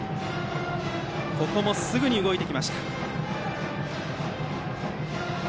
ここもすぐに動いてきました。